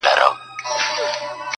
كښېنستلى پر ځاى نه يمه بېكاره -